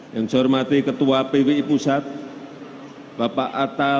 yang saya hormati ketua pwi pusat bapak atal